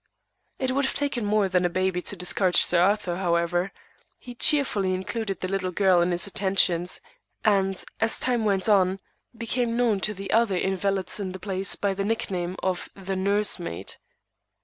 It would have taken more than a baby to discourage Sir Arthur, however: he cheerfully included the little girl in his attentions; and, as time went on, became known to the other invalids in the place by the nickname of "the Nursemaid."